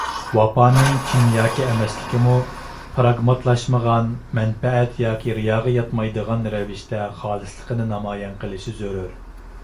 ۋاپانىڭ چىن ياكى ئەمەسلىكىمۇ پىراگماتلاشمىغان، مەنپەئەت ياكى رىياغا ياتمايدىغان رەۋىشتە خالىسلىقىنى نامايان قېلىشى زۆرۈر.